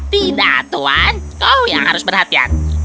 tidak tuhan kau yang harus berhati hati